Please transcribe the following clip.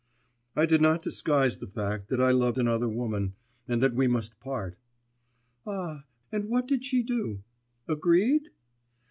'I did not disguise the fact that I loved another woman, and that we must part.' 'Ah ... and what did she do? Agreed?